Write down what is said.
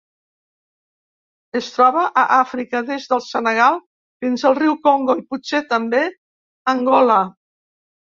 Es troba a Àfrica: des del Senegal fins al riu Congo i, potser també, Angola.